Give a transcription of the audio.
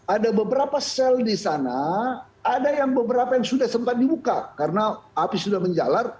ada beberapa sel di sana ada yang beberapa yang sudah sempat dibuka karena api sudah menjalar